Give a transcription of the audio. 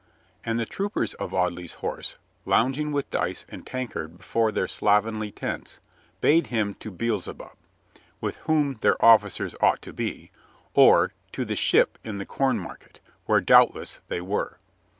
And the troopers of Audley's Horse, loung ing with dice and tankard before their slovenly tents, bade him to Beelzebub — with whom their officers ought to be — or to the Ship in the Cornmarket — where doubtless they were.